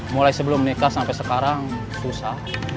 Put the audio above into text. mulai sebelum nikah sampai sekarang susah